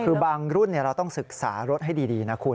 คือบางรุ่นเราต้องศึกษารถให้ดีนะคุณ